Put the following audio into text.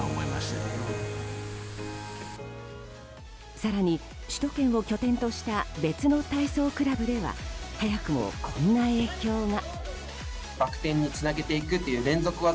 更に首都圏を拠点とした別の体操クラブでは早くもこんな影響が。